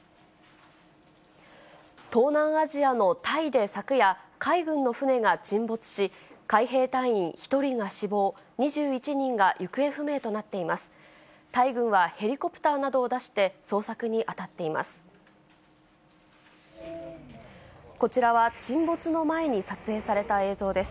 東南アジアのタイで昨夜、海軍の船が沈没し、海兵隊員１人が死亡、２１人が行方不明となっています。